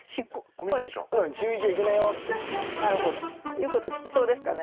言うこと聞きそうですかね？